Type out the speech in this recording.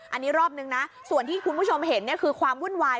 อันนี้รอบนึงนะส่วนที่คุณผู้ชมเห็นคือความวุ่นวาย